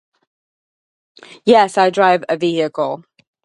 Yes, I drive a vehicle.